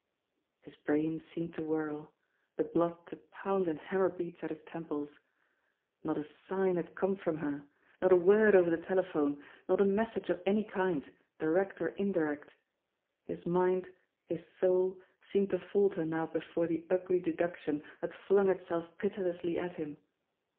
His brain seemed to whirl ; the blood to pound in hammer beats at his temples. Not a sign had come from her, not a word over the telephone, not a message of any kind, direct Or indirect. His mind, his soul, seemed to falter now before the ugly deduction that flung itself pitilessly at him.